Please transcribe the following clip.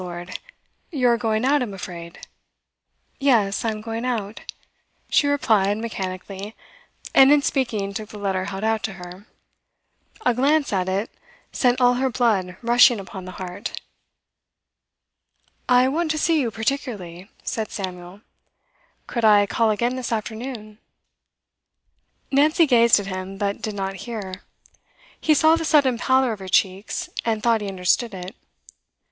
Lord? You are going out, I'm afraid.' 'Yes, I am going out.' She replied mechanically, and in speaking took the letter held out to her. A glance at it sent all her blood rushing upon the heart. 'I want to see you particularly,' said Samuel. 'Could I call again, this afternoon?' Nancy gazed at him, but did not hear. He saw the sudden pallor of her cheeks, and thought he understood it.